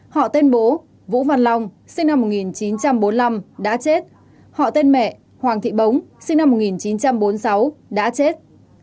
họ tên bố vũ văn long sinh năm một nghìn chín trăm bốn mươi năm đã chết họ tên mẹ hoàng thị bống sinh năm một nghìn chín trăm bốn mươi sáu đã chết